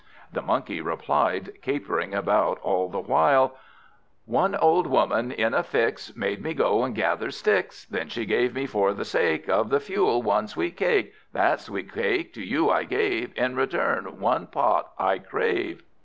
The Monkey replied, capering about all the while "One old Woman, in a fix, Made me go and gather sticks; Then she gave me, for the sake Of the fuel, one sweet cake. That sweet cake to you I gave: In return, one pot I crave."